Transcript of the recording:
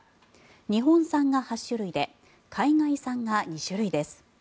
日本産が８種類で海外産が２種類です。